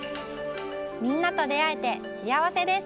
みんなとであえて幸せです。